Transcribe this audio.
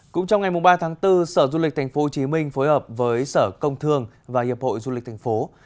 cũng trong ngày ba tháng bốn sở du lịch tp hcm phối hợp với sở công thương và hiệp hội du lịch thành phố